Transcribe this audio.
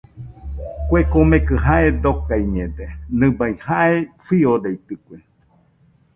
Kue komekɨ jae dokaiñede, nɨbai jae fiodaitɨkue.